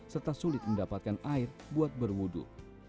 serta sulit mendapatkan air buat berwudu